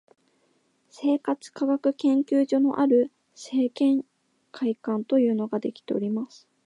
生活科学研究所のある生研会館というのができております